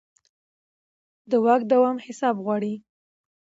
د واک دوام حساب غواړي